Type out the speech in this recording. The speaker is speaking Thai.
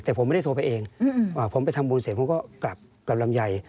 แต่ผมไม่ได้โทรไปเองผมไปทำบุญเสร็จผมก็กลับกับลำไย